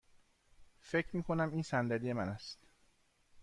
فکر می کنم این صندلی من است.